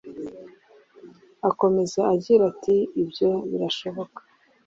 Akomeza agira ati “ Ibyo birashoboka